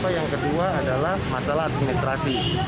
yang kedua adalah masalah administrasi